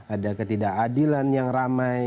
ada ketidakadilan yang ramai